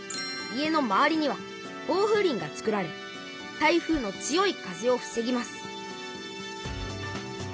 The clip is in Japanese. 家の周りには防風林がつくられ台風の強い風をふせぎます